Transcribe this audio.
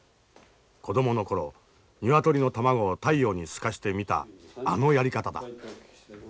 子供の頃鶏の卵を太陽に透かして見たあのやり方だ。